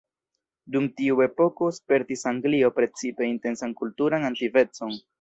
Dum tiu epoko spertis Anglio precipe intensan kulturan aktivecon.